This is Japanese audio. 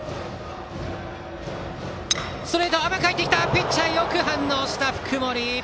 ピッチャー、よく反応した福盛。